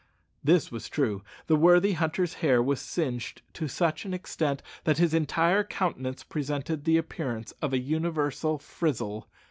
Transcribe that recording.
This was true. The worthy hunter's hair was singed to such an extent that his entire countenance presented the appearance of a universal frizzle.